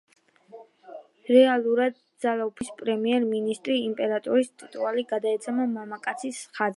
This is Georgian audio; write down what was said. რეალურად ძალაუფლებას ფლობს იაპონიის პრემიერ-მინისტრი, იმპერატორის ტიტული გადაეცემა მამაკაცის ხაზით.